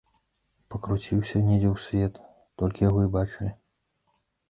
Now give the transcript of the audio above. Пакруціўся недзе ў свет, толькі яго і бачылі.